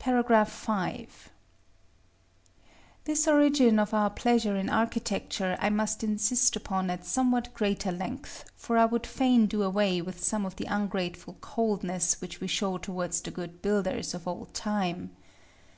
§ V. This origin of our pleasure in architecture I must insist upon at somewhat greater length, for I would fain do away with some of the ungrateful coldness which we show towards the good builders of old time.